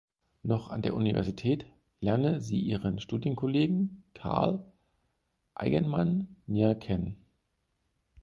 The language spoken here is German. Noch an der Universität lerne sie ihren Studienkollegen Carl Eigenmann näher kennen.